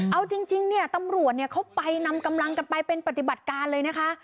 เอาจริงเนี่ยตำรวจเขาไปนำกำลังกันไปเป็นปฏิบัติการเลยนะคะ